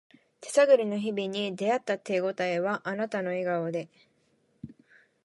手探りの日々に出会った手ごたえはあなたの笑顔で